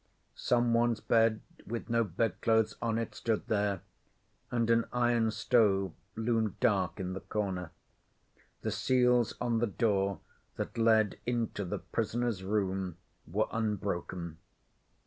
Some one's bed, with no bedclothes on it, stood there, and an iron stove loomed dark in the corner. The seals on the door that led into the prisoner's room were unbroken.